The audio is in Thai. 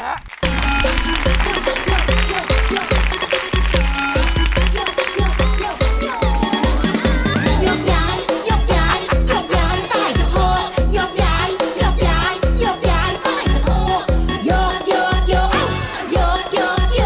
ฮาววา